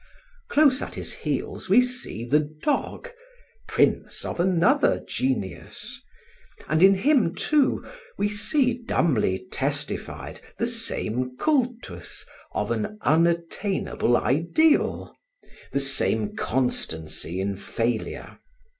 Close at his heels we see the dog, prince of another genius: and in him too, we see dumbly testified the same cultus of an unattainable ideal, the same constancy in failure.